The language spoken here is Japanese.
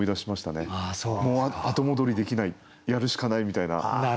もう後戻りできないやるしかないみたいな。